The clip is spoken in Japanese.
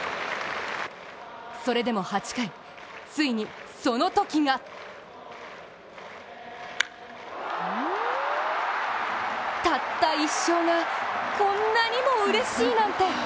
それでも８回、ついにそのときがたった一勝が、こんなにもうれしいなんて！